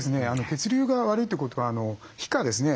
血流が悪いってことは皮下ですね